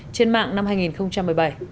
trên mạng năm hai nghìn một mươi bảy